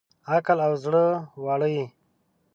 عقل او زړه واړه یې